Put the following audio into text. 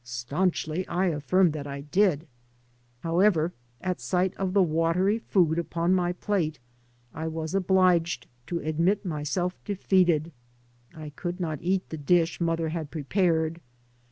Staunchly I affirmed that I did. However, at sight of the watery food upon my plate I was obliged to admit myself defeated. I could not eat the dish mother had prepared.